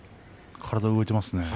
体が動いています。